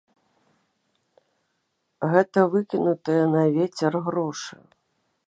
Гэта выкінутыя на вецер грошы.